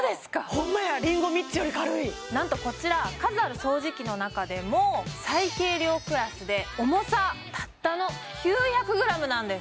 ホンマやりんご３つより軽いなんとこちら数ある掃除機の中でも最軽量クラスで重さたったの９００ｇなんです